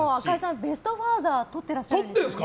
ベストファーザーをとっていらっしゃるんですよね。